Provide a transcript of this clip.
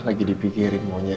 lagi dipikirin maunya